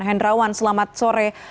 hendrawan selamat sore